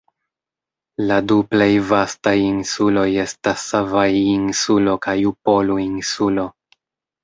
La du plej vastaj insuloj estas Savaii-Insulo kaj Upolu-Insulo.